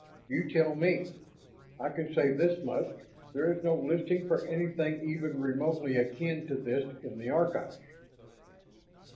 "You tell me. I can say this much, there is no listing for anything even remotely akin to this in the Archives."